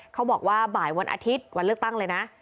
เขาบอกว่าบ่ายวันอาทิตย์วันเลือกตั้งเลยนะ